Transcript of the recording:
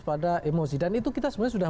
pada emosi dan itu kita sebenarnya sudah